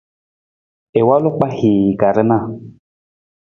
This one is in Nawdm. I walu kpahii ka rana.